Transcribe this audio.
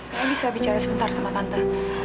saya bisa bicara sebentar sama kanta